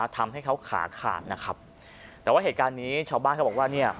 ทำให้เขาขาขาดนะครับแต่ว่าเหตุการณ์นี้ชาวบ้านเขาบอกว่าเนี่ย